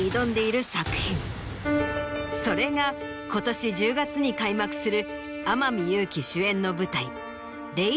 それが今年１０月に開幕する。